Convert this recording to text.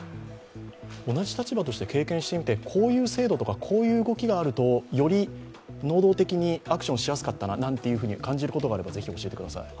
同じ立場として経験してみてこういう制度とかこういう動きがあるとより能動的にアクションしやすかったなと感じることがあればぜひ教えてください。